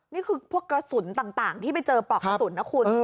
นี่คือพวกกระสุนต่างที่ไปเจอปลอกกระสุนนะคุณ